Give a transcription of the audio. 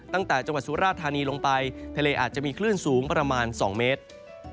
ตั้งแต่จังหวัดสุราธานีลงไปทะเลอาจจะมีคลื่นสูงประมาณ๒เมตร